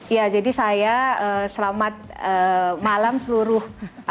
ya jadi saya selamat malam seluruh